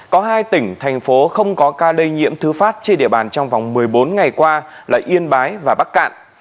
có hai tỉnh thành phố không có ca lây nhiễm thứ phát trên địa bàn trong vòng một mươi bốn ngày qua là yên bái và bắc cạn